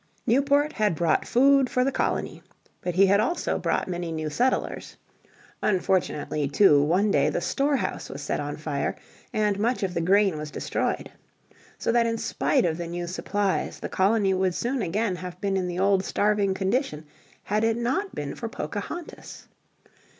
Newport had brought food for the colony, but he had also brought many new settlers. Unfortunately, too, one day the storehouse was set on fire, and much of the grain was destroyed. So that in spite of the new supplies the colony would soon again have been in the old starving condition had it not been for Pocahontas.